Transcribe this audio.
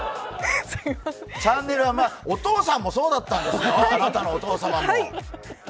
チャンネルは、お父さんもそうだったんですよ、あなたのお父様も。